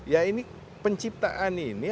ya ini penciptaan ini